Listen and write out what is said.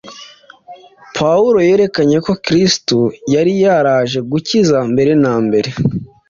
Pawulo yerekanye ko Kristo yari yaraje gukiza mbere na mbere